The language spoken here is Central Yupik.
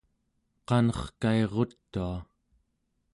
qanerkairutua